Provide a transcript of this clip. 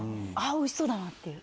おいしそうだなっていう。